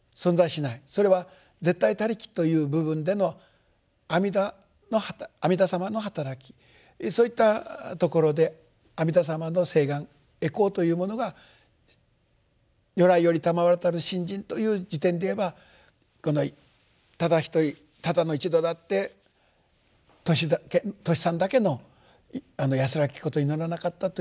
それは絶対他力という部分での阿弥陀様のはたらきそういったところで阿弥陀様の誓願回向というものが如来よりたまわりたる信心という時点でいえばこのただ一人ただの一度だってトシさんだけの安らけきことを祈らなかったという。